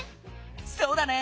そうだね！